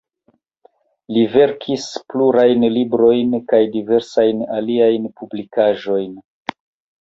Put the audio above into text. Li verkis plurajn librojn kaj diversajn aliajn publikaĵojn.